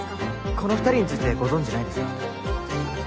この２人についてご存じないですか？